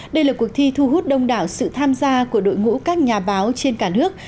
đây là cuộc thi thu hút đông đảo sự tham gia của đội ngũ các nhà báo trên cả nước